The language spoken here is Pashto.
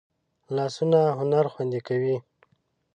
لاسونه هنر خوندي کوي